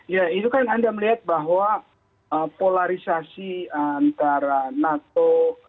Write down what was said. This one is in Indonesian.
ya itu kan anda melihat bahwa polarisasi antara nato